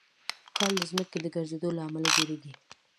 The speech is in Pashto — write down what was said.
کال د ځمکې د ګرځېدو له امله جوړېږي.